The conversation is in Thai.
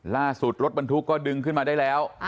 ล่าสุดรถบันทุกข์ก็ดึงขึ้นมาได้แล้ว